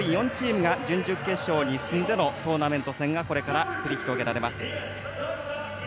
それぞれ上位４チームが準々決勝に進んでのトーナメント戦がこれから繰り広げられます。